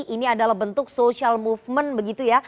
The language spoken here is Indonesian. ini adalah bentuk social movement begitu ya